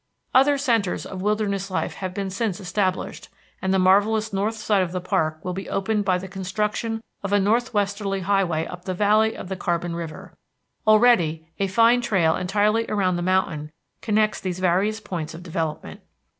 Other centres of wilderness life have been since established, and the marvellous north side of the park will be opened by the construction of a northwesterly highway up the valley of the Carbon River; already a fine trail entirely around the mountain connects these various points of development.